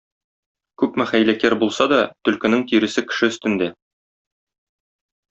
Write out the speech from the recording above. Күпме хәйләкәр булса да, төлкенең тиресе кеше өстендә.